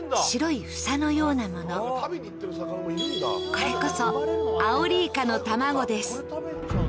これこそアオリイカの卵です。